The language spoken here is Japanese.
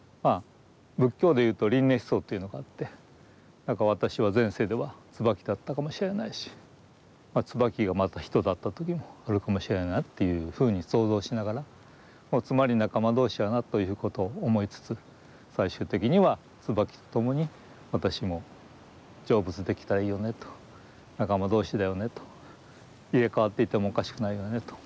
仏教で言うと輪廻思想というのがあって私は前世では椿だったかもしれないし椿がまた人だった時もあるかもしれないというふうに想像しながらつまり仲間同士やなということを思いつつ最終的には椿と共に私も成仏できたらいいよねと仲間同士だよねと入れ代わっていてもおかしくないよねと。